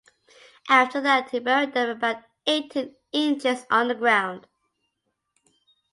After that he buried them about eighteen inches underground.